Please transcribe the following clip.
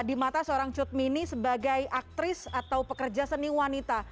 di mata seorang cutmini sebagai aktris atau pekerja seni wanita